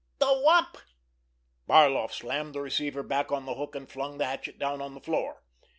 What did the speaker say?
——The Wop!" Barloff slammed the receiver back on the hook, and flung the hatchet down on the floor.